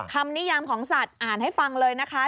นิยามของสัตว์อ่านให้ฟังเลยนะคะ